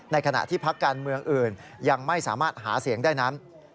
ขณะที่พักการเมืองอื่นยังไม่สามารถหาเสียงได้นั้น